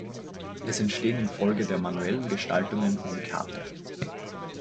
Es entstehen infolge der manuellen Gestaltungen Unikate.